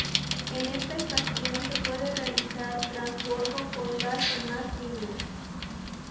En esta estación se puede realizar transbordo con las demás líneas.